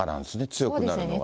強くなるのがね。